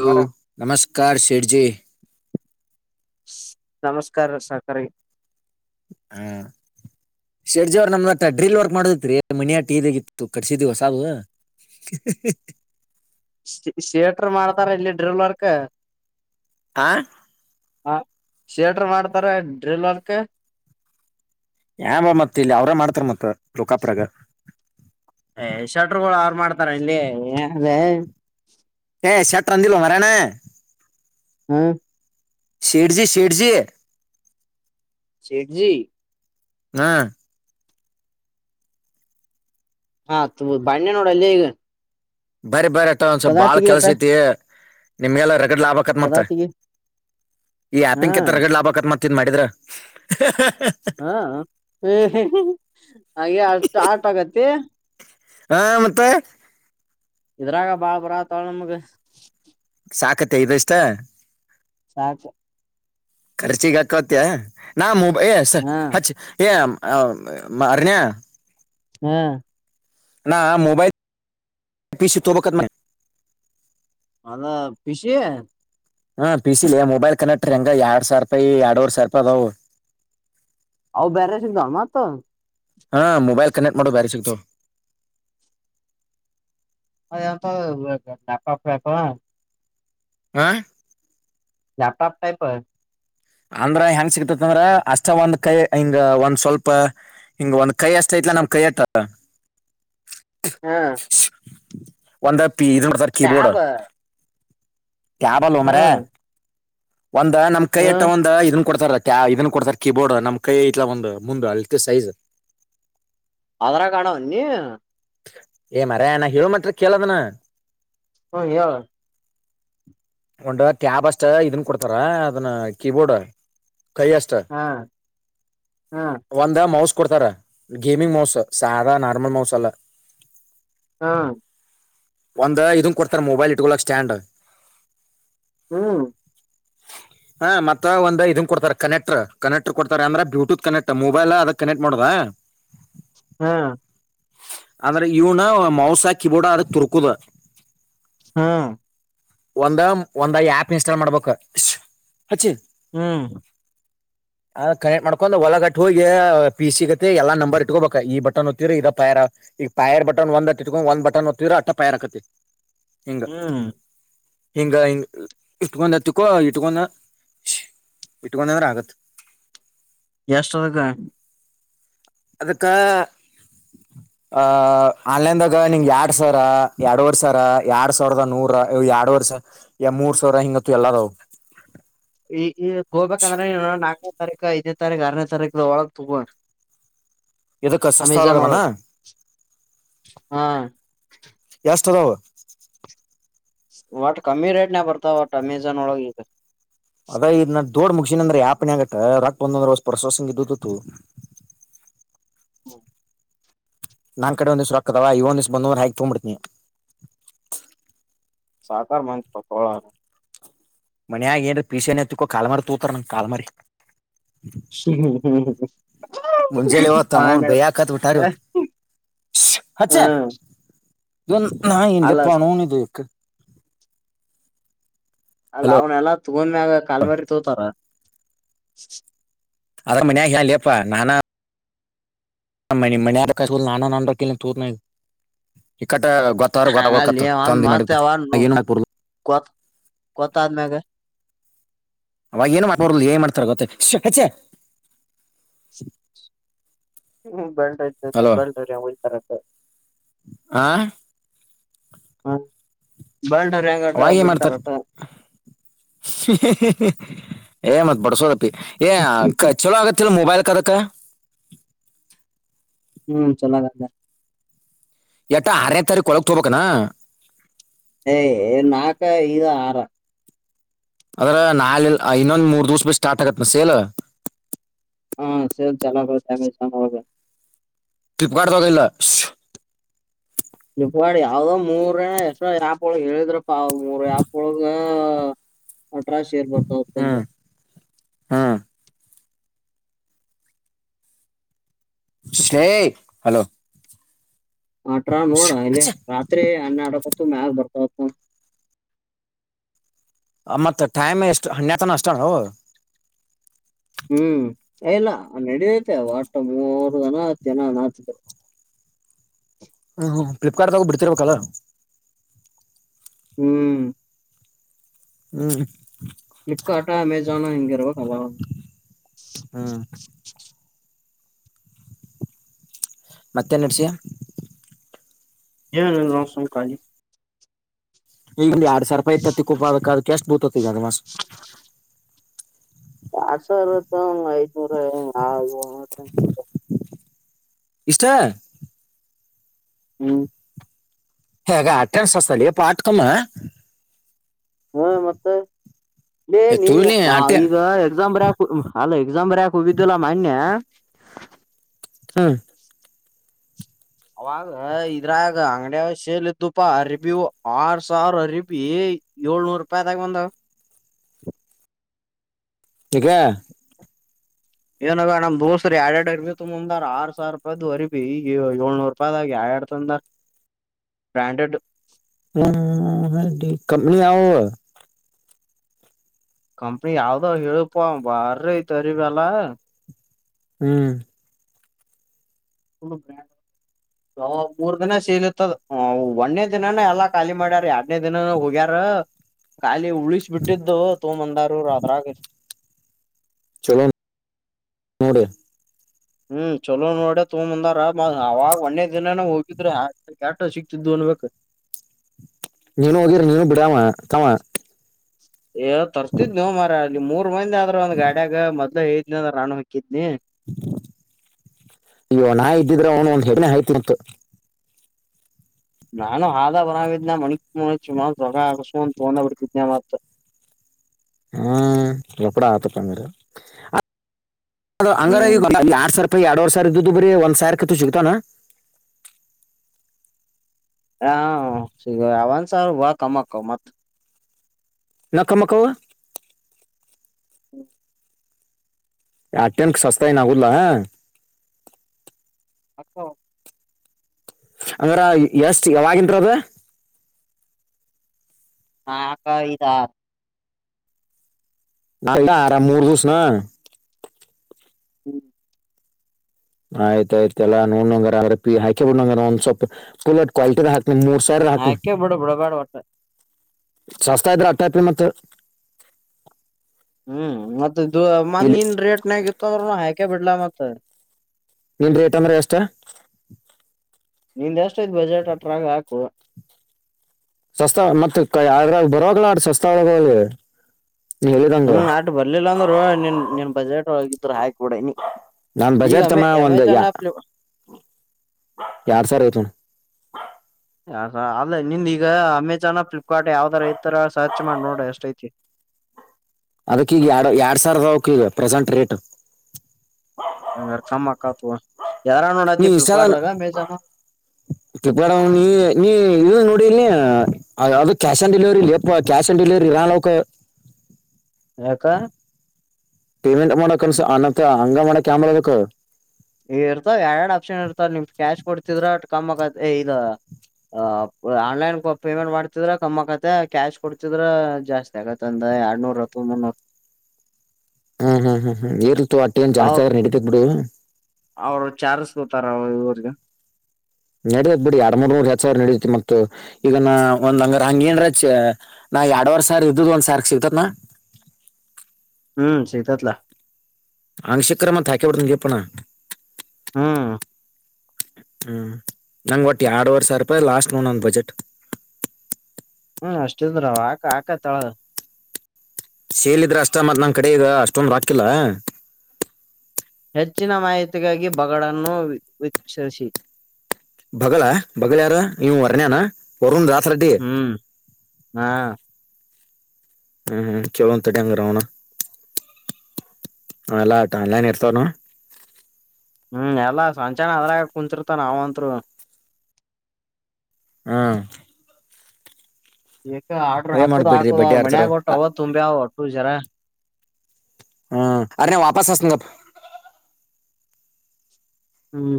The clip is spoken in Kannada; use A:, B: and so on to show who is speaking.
A: ಹಲೋ ನಮಸ್ಕಾರ ಶೇಟ್ ಜೀ.
B: ನಮಸ್ಕಾರ ಸೌಕರಿಗಿ,
A: ಹಾ, ಶೇಟ್ ಜೀ ಅವ್ ನಮ್ದ ಡ್ರಿಲ್ ವರ್ಕ್ ಮಾಡೋದಿತ್ರಿ ಮಿನಿಾಟಿ ಇದಗಿತ್ತು ಕತ್ಸಿಡ್ವಿ ಹೊಸಾವು [unintelligible]
B: ಶೇಟರ್ ಮಾಡ್ತಾರ ಇಲ್ಲಿ ಡ್ರಿಲ್ ವರ್ಕ್
A: ಹಾ [unintelligible]
B: ಹಾ ಶೇಟರ್ ಮಾಡ್ತಾರ ಡ್ರಿಲ್ ವರ್ಕ್
A: ಯಾವ ಮತ್ತ ಇಲ್ಲಿ ಅವ್ರ ಮಾಡ್ತಾರ ಮತ್ತ ಲೋಕಾಪುರಾಗ
B: ಏ ಶಟರುಗಳು ಯಾರು ಮಾಡ್ತಾರ ಇಲ್ಲಿ ಏನು ಲೀ
A: ಏ ಶಟ್ ಅಂದಿಲ್ಲ ಮರಣ್ಣ
B: [unintelligible]
A: ಶೇಠಜಿ ಶೇಠಜಿ
B: ಶೇಠಜಿ
A: ಹಾ
B: ಹಾ ಆತು ಬ್ಯಾವ್ಡೂ ಬಣ್ಣೆ ನೋಡಲ್ಲ ಈಗ
A: ಬರ ಬರ ಅ ಒಂದ್ಸ
B: ಕದಾ
A: ಬಾಳ
B: ತೆಗಿ ಅಟ
A: ಕೆಲಸ ಐತಿ ನಿಮ್ಗೆಲ್ಲ ಲಾಭತ್
B: ಕದಾ
A: ಮತ್ತೆ
B: ತೆಗಿ
A: ಈ
B: ಹಾ
A: ಆಪಿಂಗ್ಗೆ ತರಗಡೆ ಲಾಭ ಆಕತ್ ಮತ್ತೆ ತಿನ್ ಮಾಡಿದ್ರ [unintelligible]
B: ಹಾ [unintelligible] ಹಾಗೆ ಆ ಆಟ ಸ್ಟಾರ್ಟ್ ಆಗತ್ತ
A: ಹಾ ಮತ್ತೆ
B: ಇದ್ರಾಗ ಬಾ ಬರಕಟಲವ್ರೂ ನಮಗೆ
A: ಸಾಕತ್ತ ಐದುಷ್ಟ
B: ಸಾಕು
A: ಕರ್ಚಿಗ ಹಾಕತ್ಯ ನಾ ಏ
B: ಹಾ
A: ಹಚ್ಚ ಏ [unintelligible] ಅರಿನಯ
B: ಹ್ಮ್
A: ನಾ ಮೊಬೈಲ್ ಪೀ ಸಿ ತಗೋಬೇಕು ಮಾಡಿದೆ
B: ಹಾ ಪಿಸಿ
A: ಹಾ ಪಿಸ ಸಲಿ ಮೊಬೈಲ್ ಕನೆಕ್ಟರ್ ಹೆಂಗ ಎರಡ್ ಸಾವಿ ರೂಪಾಯಿ ಎರಡೂವರೆ ಸಾವಿ ರಪಾಯಿ ಅದವು
B: ಹೌವೂ ಬರೇ ಸಿಗ್ತವು ಮಾತ್ರ
A: ಹಾ ಮೊಬೈಲ್ ಕನೆಕ್ಟ್ ಮಾಡೋ ಬೇರೆ ಸಿಗ್ತವು
B: ಹ ಎಂತ ಅವು ಬ್ಯಾಕಪ್ [unintelligible]
A: ಹಾ
B: ಲ್ಯಾಪ್ಟಾಪ್ ಟೈಪ್
A: ಅಂದ್ರ ಹೆಂಗ್ ಸಿಕ್ತತ್ಂದ್ರ ಅಷ್ಟ ಒಂದ್ ಕೈ ಹಿಂಗ ಒಂದ್ ಸ್ವಲ್ಪ ಹಿಂಗ ಒಂದ್ ಕೈ ಅಷ್ಟಐತಿ ಇಲ್ಲ ನಮ್ ಕೆತ್ತು
B: ಹಾ
A: ಒಂದ ಪಿ ಇದು [unintelligible] ಕೀಬೋರ್ಡ್
B: ಟ್ಯಾಬ್
A: ಕ್ಯಾಬ್ ಅಲೆ ಮರಿಯ
B: ಹ್ಮ್
A: ಒಂದ್ ನಮ್ ಕೈ ಅಟ್ಟ
B: ಹ್ಮ್
A: ಒಂದ ಇದ ಕೊಡ್ತಾರ ಇದನ್ ಕೊಡ್ತಾರ ಕೀಬೋರ್ಡ್ ನಮ್ ಕೈ ಇಟ್ಲ ಒಂದು ಮುಂದ ಅಲ್ಲಿತಿ ಸೈಜ್
B: ಅದುರಾಗ ಅದೇನ್ ನೀ
A: ಏ ಮಾರಾಯ ನಾ ಹೇಳ ಮಾತ್ರ ಕೇಳದನ
B: ಹಾ ಹೇಳ
A: ಒಂದು ಟ್ಯಾಬ್ ಅಷ್ಟ ಇದನ್ ಕೊಡ್ತಾರ ಅದನ್ನ ಕೀಬೋರ್ಡ್ ಕೈ ಅಷ್ಟ
B: ಹಾ ಹಾ
A: ಒಂದು ಮೌಸ್ಟ್ ಕೊಡ್ತಾರ ಗೇಮಿಂಗ್ ಮೌಸ್ ಸಾರಾ ನಾರ್ಮಲ್ ಮೌಸ್ ಅಲ್ಲ
B: ಹಾ
A: ಒಂದ್ ಇದನ್ ಕೊಡ್ತಾರ ಮೊಬೈಲ್ ಇಟ್ಕೊಳಕ್ ಸ್ಟ್ಯಾಂಡ್
B: ಹ್ಮ್
A: ಹ ಮತ್ತ ಒಂದ ಇದನ್ ಕೊಡ್ತಾರೆ ಕನೆಕ್ಟ್ರ್ ಕನೆಕ್ರ್ ಕೊಡ್ತಾರೆ ಅಂದ್ರ ಬ್ಲೂಟೂತ್ ಕನೆಕ್ಟ್ ಮೊಬೈಲ್ ಅದಕ್ ಕನೆಕ್ಟ್ ಮಾಡೋದ
B: ಹಾ
A: ಅಂದ್ರೆ ಇವನು ಮೌಸ್ ಆಕೆ ಕೀಬೋರ್ಡ್ ಬೋರ್ಡ್ ಆದದ ತುರ್ಕುದು
B: ಪ್ಚ್ ಹ
A: ಒಂದ ಒಂದ ಆಪ್ ಇನ್ಸ್ಟಾಲ್ ಮಾಡ್ಬೇಕು ಶೋ ಹಚ್ಚಿ
B: ಹು
A: ಅ ಕನೆಕ್ಟ್ ಮಾಡ್ಕೊಂಡ್ ಒಳಗ ಟುಗೆ ಪಿ ಸಿ ಗತೆ ಎಲ್ಲ ನಂಬರ್ ಇಟ್ಕೋಬೇಕ ಈ ಬಟನ್ ಒತ್ತಿರ ಇದ ಪೈಯರ್ ಈಗ ಪಾಯರ್ ಬಟನ್ ಒಂದ ಕಿತ್ಕೊಂಡ್ ಒಂದ ಬಟನ್ ಒತ್ತಿದ್ರ ಅಟ್ಟ ಪಯರ್ ಆಕೇತಿ
B: ಹು
A: ಹಿಂಗ ಅ ಇಟ್ಕೊಂದಂತತಿಕ್ಕೊ ಇಟ್ಕೊಂಡ ಶೋ ಇಟ್ಕೊಂಡಂದ್ರ ಆಗತ
B: ಎಶ ಒಳಗ ಹೇಳ್ಯಾರ
A: ಅದಕ್ಕ ಆಹ ಆನ್ಲೈನ್ದಾಗ ನಿಂಗ ಯ್ಯಾಡಸಾವಿರಾ ಎರಡುವರಿ ಸಾವಿರಾ ಎರಡ್ ಸಾವಿರದ ನೂರ ಎರಡು ವರ್ಷ ಮೂರ್ ಸಾವಿರ ಹಿಂಗತ್ತು ಎಲಲ್ಲಾ ಅದಾವ
B: [unintelligible] ಈ ಈಗ ಹೋಗಬೇಕಾದ್ರ ನಾಲ್ಕನೇ ತಾರೀಕ ಐನೇ ತಾರೀಕ ಆರನೇ ತಾರೀಕ ಒಳಗ್ ತಗೋ ಅನ್ನ
A: ಇದಕ್ಕ
B: ಆಮೇಜಾನ್
A: ಸಸ್ತಾವಲಗದಾನ
B: ಒಳಗ ಹ
A: ಎಷ್ಟುದಾವ
B: ಒಟ್ಟ ಕಮ್ಮಿ ರೇಟ್ನ್ಯಾಗ ಬರ್ತಾವ ಒಟ್ ಅಮೆಜಾನ್ ಒಳಗ ಇಗ
A: ಅದ ಇದ ನಾ ದೋಡ್ ಮುಗಸಿನ ಅಂದ್ರ ಯಾಪ್ನ್ಯಾಗ ಯೇ ರೊಕ್ಕ ಬಂದವದ್ರ ಪ್ರಾಸಸಿಂಗ ಇಟ್ಟುದ್ವು
B: ಹು
A: ನನ್ನ್ ಕಡೆ ಒಂದ ದಿಸ್ಸ ರೊಕ್ಕಅದವ ಇವಂದಿಸ್ಸು ಬಂದುವಂದ್ರ ಹಾಕಿ ತೊಂಬಿಡಟ್ಟೇನಿ
B: ಸೌಕಾರ್ ಮಂದಿ ಪಾ ತಗೋಳೋರು
A: ಮನ್ಯಾಗ ಏನರ ಪೀಸನೆತ್ಕೋ ಕಾಲ್ ಮಾರಿ ತೂತಾರ ನಂಗ ಕಾಲ ಮಾರಿ
B: ಹು ಹು ಹು ಹುಕ್
A: ಮುಂಜೆಲಿ ಇವತ್ತ ಅನೌನನ್ ಬೈಯಕಟ್ಟಬಿಟ್ಟಾರ್ ಇವತ್ ಶೋ ಹಚ್ಚೆ
B: ಹ್ಮ್
A: ಇದೊಂದ ನಾಯಿ
B: ಅಲ್ಲ
A: ಎಂನ್ಲೆಪಾ ನೌನಿದು
B: ಅಲ್ಲ
A: ಹಲೋ
B: ಅವನ ಎಲ್ಲಾ ತಗೊಂಡ್ಮ್ಯಾಗ ಕಾಲ್ಮಾರಿ ತೋತಾರಾ ಚು ಚು
A: ಅದ ಮನ್ಯಾಗ ಹೇಳಲೆಪ್ಪ ನಾನ ಮಾಡಿ ಮನ್ಯಾರ ಕಸಗೊಂಡ ನಾನ ನನ್ನ ಬತ್ತಿಲೇ ತೂತನ್ಯಾಗ ಹಿಕ್ಕಟ್ ಟ್ ಗೊತ್ತಾರ
B: ಹಂಗಲ್ಲಿ
A: ಗೊತ್ತಾಗೋಕತ್ ತಂದಿ ಮಾಡಿದ ಆಗ ಏನ್ ಅನ್ನಕ ಬರೋಲ್ಲ
B: ಗೊತ್ ಗೊತ್ತಾದಮ್ಯಾಗ
A: ಅವಾಗ ಏನ ಮಾಡಕ ಬರುದಿಲ್ಲ ಏನ್ ಮಾಡ್ತಾರ ಗೊತ್ತನ ಶೋ ಹಚ್ಚೆ
B: ಹು ಬೆಲ್ಡ ಹರಿತೇತೆ ಬೆಲ್ಟ್ ಹರಿಯಂಗ ಹೋಯಿತಾರೆ ಅಟೆ
A: ಆ ಆ
B: ಅ
A: ಅವಾಗೇ ಏನು ಮಾಡ್ತಾರ ಹ್ಹಿ ಹ್ಹಿಈ ಏ ಮತ್ ಬಡಸೋರಪ್ಪಿ ಏ ಚಲೋ ಆಗತ್ತ ಇಲ ಮೊಬೈಲ್ ಕದಕ್ಕ
B: ಹು ಚೊಲೋ ಆಗತ್ಲೆ
A: ಎಟ್ಟ ಆರನೇ ತಾರೀಕ ಒಳಗ್ ತೋಗಬೇಕನ
B: ಏಯಯ ನಾಕ ಇದ ಆರ
A: ಅದ್ರ ನಾಳೆ ಇನ್ನೊಂದ ಮೂರ್ ದಿವ್ಸ ಬಿಟ್ಟ ಸ್ಟಾರ್ಟ್ ಆಗತನ ಸೇಲ
B: ಹು ಸೆಲ್ ಚೆನ್ನಾಗಳ ತಗೋಳಗೆ
A: ಬಡದಡೋಲ್ಲ ಶೋ ಟ್ಟ್
B: ಪ್ಲೀಪಕಾರ್ಡ್ ಯಾವ್ದೋ ಮೂರನೋ ಎಷ್ಟೋ ಯಾಪ್ ಒಳಗ ಹೇಳಿದ್ರಪ್ಪ ಅವ ಮೂರ್ ಯಾಪ್ ಒಳಗ ಅಠರಾಶೇರ್ ಬರ್ತಾವಅಂತ ತಂದು
A: ಹ್ಮ್ ಹ್ಮ್ ಶೋ ಹೆ ಹಲೋ
B: ಆಟ್ರಾ ನೋಡ ಅಲ್ಲಿ ರಾತ್ರಿ ಹನ್ಯಡಕ್ಕ ಮ್ಯಾಗ ಬರ್ತವಂತ ನೋಡು
A: ಅ ಮತ್ತ ಟೈಮ್ ಎಷ್ಟು ಹಾನ್ಯಾಡತನಾ ಅಷ್ಟನವು
B: ಹು ಯೇ ಇಲ್ಲ ನಡಿಯೈತೆ ಒಟ್ಟ ಮೂರು ದಿನಾ ಹತ್ತು ದಿನಾ ಅನಾತ್ತಿದ್ರು
A: ಹ ಹ ಫ್ಲಿಪ್ಕಾರ್ಡ್ ಬಿಡ್ತಿರ್ಬೇಕಲ್ಲಾ
B: ಹ್ಮ್
A: ಹ್ಮ್
B: ಫ್ಲಿಪ್ಕಾರಾರ್ಟಾ ಅಮೇಝಾನ ಹೆಂಗರಬೇಕ
A: ಹ್ಮ್ ಮತ್ತೇನ್ ನಡ್ಸಿಯ
B: ಏನಿಲ್ಲ ನೋ ಸುಮ್ಮ ಕಾಲಿ
A: ಈಗ್ ಯಾಡ ಸಾವಿರಪಾಯಿ ಇತ್ತತ ತಿಕೋ ಪಾ ಅದಕ್ಕ ಎಷ್ಟ ಭಿತತಿ ಈಗ ಅಜಮಸ್.
B: ಯಾಡ ಸಾವರಕ ಐದ್ನೂರ [unintelligible] ಭಿತತಿ.
A: ಇಷ್ಟ
B: ಹ್ಮ್
A: ಹಗಾ ಅಟ್ಟೆನ ಸಸ್ತಾ ಲೇಪ ಅಟ್ಟ ಕಮ್ಮ.
B: ಹ್ಮ ಮತ್ತೆ ಲೇ
A: ತುಳಿ
B: ನಿನ್ನ
A: ಅಟೆ
B: ಈಗ ಎಕ್ಸಾಮ್ ಬರ್ಯಾಕ ಅಲ್ಲ ಎಕ್ಸಾಮ್ ಬರ್ಯಾಕ ಹೋಗಿದ್ದಿಲ ಮನ್ಯ [inaudible]
A: ಹಾ
B: ಅವಾಗ ಇದ್ರಾಗ ಅಂಗಡಿಯ ಶೇಲ್ ಇದ್ದುಪಾ ಅ ರಿಬಿ ಆರ್ ಸಾವಿರ ಅರಿಬಿ ಏಳ್ನೂರು ರೂಪಾಯಿದಾಗ ಬಂದಾವ
A: ಈಗಾ
B: ಏನಾಗ ನಮ್ ದೋಸ್ರ ಎರ ಎಡರ್ ತುಂಬಂದ ಆರ್ ಸಾವಿರ ರೂಪಾಯ್ದ್ ಅರಿ ಭೀ ಏಳ್ನೂರು ರೂಪಾಯ್ [unintelligible] ಬ್ರಾಂಡಡ್
A: ಹ್ಮ ಹೆ ಕಮ್ಮಿ ಆವ
B: ಕಂಪ್ನಿ ಯಾವ್ದ ಹೇಳಪ ಬಾರಿ ತರಿಬಲ್ಲ
A: ಹ್ಮ್
B: [unintelligible] ಮೂರ್ ದಿನ ಸೀಲತ್ತದ ಅ ಒನ್ನೇ ದಿನಾನ ಎಲ್ಲ ಖಾಲಿ ಮಾಡ್ಯಾರ ಎಡ್ನೇ ದಿನಾನ ಹೋಗ್ಯಾರ. ಕಖಾಲಿ ಉಳಿಸ ಬಿಟ್ಟಿದ್ದು ತೋ ಮಂದಾರ ರದ್ರಾಗ
A: ಚಲೋ ನೋಡಿ
B: ಹ್ಮ್ ಚಲೋ ನೋಡ ತೋಂದಾರ ಅವಾಗ ಒಂದೇ ದಿನನ ಹೋಗಿದ್ರ ಸಿಕ್ತಿದ್ದು ಸಿಗುತ್ತ.
A: ನೀನು ಹೋಗಿರ ನೀನು ಬಿಡಾವ ತಾವ
B: ಏ ತರ್ತಿದ್ ನೋವು ಮರ ಅಲ್ಲಿ ಮೂರ್ ಮಂದ ಆದ್ರ ಒಂದ್ ಗಾಡಿಯಾಗ ಮೊದ್ಲ ಐದ್ ಅ ರಾಣ ಹಾಕಿದ್ನಿ
A: ಅಯ್ಯೋ ನಾ ಇದ್ದಿದ್ರೆ ಅವನು ಒಂದ್ ಹೆಗ್ನೆ ಹೇತಿಂತ
B: ನಾನು ಹಾದ ಬರಿದ್ನ ಮಣಿಕ್ ಮವಗ ಆಕ ತಗೊಂಡ ಬಿಡ್ತಿದ್ನ ಮತ್
A: ಹ್ಮ್ ರೊಪಡ ಆತಪ್ಪಂದರ ಅಂಗಾರ
B: ಹ್ಮ್
A: ಎರಡು ಸಾವಿರ ಎರಡವರೆ ಸಾವರ ಇದ್ದ್ದು ಬರೀ ಒಂದ್ ಸಾವಿ ಕತ್ತು ಸಿಗ್ತಾನ
B: ಹ ಸಿಗ ಒನ್ ಸಾವಿರ ಬಳ ಕಮ್ಮಕ್ಕ ಮತ್
A: ನಕಮಕ್ಕವ
B: ಹ್ಮ್
A: ಅಟಂ ಸಸ್ತಾಯನಗರ್ಲ್ಲ ಹ
B: ಅಪ್ಪೋ
A: ಅಂದ್ರ ಎಷ್ಟ ಯಾವಾಗಿಂಟರ ಅದ
B: ನಾಕಾ ಐದಾ
A: ನಂಗ ಆರಾಮ ಮೂರು ದಿವಸ ನ
B: ಹ್ಮ
A: ಆಯ್ತಾಯಯ್ತ ಎಲ್ಲ ನೋಡ್ಂಗ ಅ್ರ ಹಾಕಿ ಬಿಂಗ ಒಂದ ಸ್ವಲ್ಪ ಕಟ್ ಕ್ವಾಲಿಟಿ ಮೂರ್ ಸಾವ್ರ ಹಾಕುದ್ರು
B: ಹಾಕೆ ಬಿಡು ಬಿಡಬ್ಯಾಡ ಒಟ್ಟ
A: ಶಸ್ತಾ ಇದ್ರೆ ಅಟಪ ಮತ್ತ
B: ಹ್ಮ್ ಮತ್ತ ಮ
A: ಇಲ್ಲಿ
B: ನೀನ್ ರೇಟ್ನ್ಯಗ ಇತ್ತುಂದ್ರ ಹಾಕೆ ಬಿಡ್ಲಾ ಮತ್ತ
A: ನಿನ್ ರೇಟ್ ಅದ್ರ ಎಷ್ಟ
B: ನಿಂದ್ ಎಷ್ಟೈಐತ್ ಬಜೆಟ್ ಹಟ್ರಾಗ ಹಾಕ
A: ಸ್ವಸ್ತ ಮತ್ತತ್ ಯ್ರಾಗ ಬರಾಗಲ ಅ್ರ ಸವಸ್ತ ಒಾಗಿ
B: ಹ್ಮ್ ಆಟ ಬರ್ಲಿಲ್ಲ ಅಂದ್ರರು ನೀನ್ ನಿನ್ ಬಜೆಟ್ೋಗಿದ್ರ ಹಾಕ್ಬಡನಿ
A: ನಾನ್ ಬಜೆಟ್ ತಮ್ಮ ಒಂದ ಯ ಯಾರ್ ಸಾರ್ ಐತ ನೋಡ
B: ಹ ಅಲ್ಲೇ ನಿಂದ್ ಈಗ ಅಮೆಜನ್ ಫ್ಲಿಪ್ಕಾರ್ಟ್ ಯಾವ್ ತರ ಇತರ ಸರ್ಚ್ ಮಾಡಿ ನೋಡ್ರಿ ಅಷ್ಟೈತಿ [inaudible]
A: ಅದಕ್ಕ ಈಗ ಎರಡು ಎರಡ್ ಸಾವರದ ಅವಕ ಈಗ ಪ್ರೆಸೆಂಟ್ ರೇಟ್
B: [unintelligible]
A: ನೀ
B: ನೋಡತಿ
A: ಇಷ್ಟಾಲ
B: ಫ್ಲಿಪ್ಕಾರ್ಟ್ದಾಗ ಅಮೆಜಾನ್
A: ತಿಪ ನೀ ನೀ ಇ ನೋಡಿ ಇಲ್ ಅದು ಕ್ಯಾಶ್ ಆನ್ ಡೆಲಿವರಿಪ ಕ್ಯಾಶ್ ಆನ್ ಡೆಲಿವರಿ ರಾನಕ
B: ಯಾಕ
A: ಪೇಮೆಂಟ್ ಮಾಡಕ್ ಅನ್ಸ ಅನತ್ತ ಹಂಗ ಮಾಡಕ್ ಆಾಮ್ರ ಅದಕ್
B: ಈ ಇರ್ತಾವ ಎರ ಆಪ್ಷನ್ ಇರ್ತಾವ ನಿಮ್ ಕ್ಯಾಶ್ ಕೊಡ್ತಿದ್ರ ಕಮ್ ಆಗತ್ ಇ ಆ ಆನ್ಲೈನ್ ಪೇಮೆಂಟ್ ಮಾಡ್ತಿದ್ರ ಕಮ್ಮ ಆಕತ್ತ ಕ್ಯಾಶ್ ಕೊಡ್ತಿದ್ರ ಜಾಸ್ತಿ ಆಗತ್ತ ಅಂದ [unintelligible]
A: ಹ್ಮ್ ಹ್ಮ್ ಹ್ಮ್ ಹ್ಮ್ ಏರ್ತತ್ತು ಅಟ್ಟಿ ನ್ ಜಾಸ್ತಿ
B: ಅವ್ರ
A: ಆದ್ರೆ ನಡೀತಿಕ್ ಬಿಡು
B: ಸತಾರ ಇವರ್ಗ
A: ನಡತ್ ಬಿಡಿ ಎರ ಮೂರ್ ಮೂೂರ್ ಎತ್ ಸಾವಿರ ನಡತಿ ಮತ್ತ ಈಗ ನ ಒಂದ್ ಹಂಗ ಹಂಗ ಏನ್ರ ನಾ ಎಡವರೆ ಸರ ಇದ್ದದು ಒಂದ ಸಾರ ಸಿಗ್ತತ್ನಾ
B: ಹ್ಮ್ ಸಿಗೆತ್ಲ
A: ಆಂಕ್ಷ್ಯ ಕ್ರಮತ್ ಹಾಕಿಬಡ್ತನ ಜಪ್ಪಣ
B: ಹ್ಮ
A: ಹ್ಮ್ ನಂಗ್ ಒಟ್ಟು ಎರಡ್ುವರೆ ಸಾವಿರ ರೂಪಾಯಿ ಲಾಸ್ಟ್ ನೋೊಂದ ಬಜೆಟ್
B: ಹ್ಮ್ ಅಷ್ಟಿದ್ರ ಆಕ ಆಕ ತಳ
A: ಸೇಲಿದ್ರೆ ಅಷ್ಟ ಮತ್ ನಂಗ ಕಡೆ ಈಗ ಅಷ್ಟೊಂದ ರಾಕಿಲ್ಲ
B: ಹೆಚ್ಚಿನ ಮಾಹಿತಿಗಾಗಿ ಬಡನ್ನು ವಕ್ಷಿಸಿಿ
A: ಬಗಳ ಬಗಗಳ ಯಾರ ನೀವು ವರ್ಣ್ಯಾನ ವರುಂದಾರ
B: ಹ್ಮ್ ಹಾ
A: ಹ್ಮ್ ಹ್ಮ ಚಲೋಂತ ಂಗರಣ ಹ ಎಲ್ಲಾ ಆಟ ಅನ್ಲೈನ್ ಇರ್ತವನು
B: ಹ್ಮ್ ಎಲ್ಲಾ ಸಂಚನ ಅದ್ರಾಗ ಕುಂಂತಿರ್ತ ನಾವಂತ್ರು
A: ಹ್ಮ್
B: ಈಕ ಆರ್್ರ
A: ಏನ್
B: ಹಾಕೋ್
A: ಮಾಡ್ಬಿಡ್ರಿ
B: ಹಾಕದ
A: ಬಡ್ಡಿ
B: ಅವ್ರರು
A: ಆಡ್ತಾರ
B: ಮನಯಾಗ ಹೊಟ್ಟು ಅವಾಗ ತುಂಬ ಅವ ಒಟ್ಟು ಜರ
A: ಹ್ಮ್ ಅರೆ ನ ವಾಪಸ್ ಅಸಪ್ಪ
B: ಹ್ಮ್